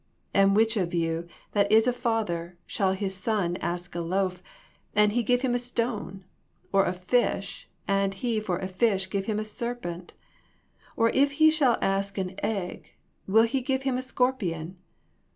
And of which of you that is a father shall his son ask a loaf, and he give him a stone ? or a fish, and he for a fish give him a serpent 7 Or if he shall ask an egg, will he give him a scorpion